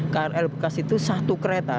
krl bekas itu satu kereta